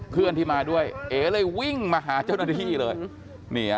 เพื่อนที่มาด้วยเอเลยวิ่งมาหาเจ้าหน้าที่เลย